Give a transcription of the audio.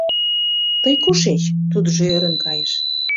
Тый кушеч? — тудыжо ӧрын кайыш.